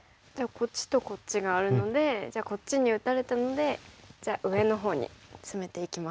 こっちとこっちがあるのでじゃあこっちに打たれたのでじゃあ上のほうにツメていきます。